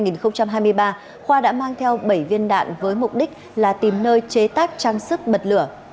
năm hai nghìn hai mươi ba khoa đã mang theo bảy viên đạn với mục đích là tìm nơi chế tác trang sức bật lửa